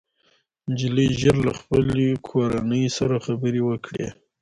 نجلۍ ژر له خپلې کورنۍ سره خبرې وکړې